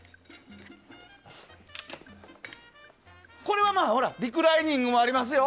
これはリクライニングもありますよ。